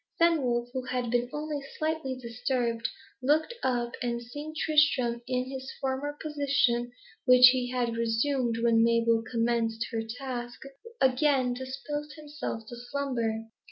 Fenwolf, who had been only slightly disturbed, looked up, and seeing Tristram in his former position, which he had resumed when Mabel commenced her task, again disposed himself to slumber.